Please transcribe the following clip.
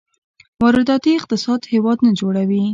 وارداتي اقتصاد هېواد نه جوړوي.